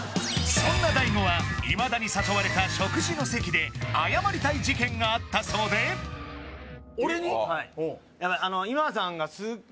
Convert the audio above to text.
そんな大悟は今田に誘われた食事の席で謝りたい事件があったそうで俺に？